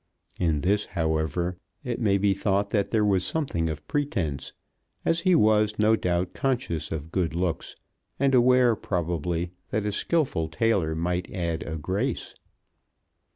In this, however, it may be thought that there was something of pretence, as he was no doubt conscious of good looks, and aware probably that a skilful tailor might add a grace.